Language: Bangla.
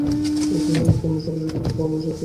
ইহাই হইল প্রেমের সর্বোচ্চ বিকাশ এবং পরমের সহিত সমার্থক।